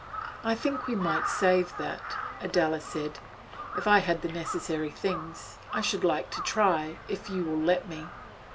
'I think we might save that,' Adela said. 'If I had the necessary things I should like to try, if you will let me.